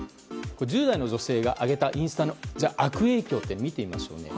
１０代の女性が挙げた悪影響を見てみましょうか。